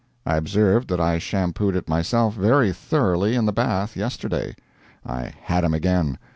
I observed that I shampooed it myself very thoroughly in the bath yesterday. I "had him" again.